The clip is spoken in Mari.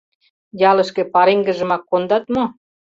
Ялышке пареҥгыжымак кондат мо?